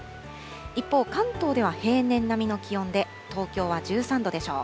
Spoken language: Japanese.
一方、関東では平年並みの気温で、東京は１３度でしょう。